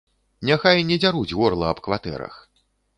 Няхай не дзяруць горла аб кватэрах.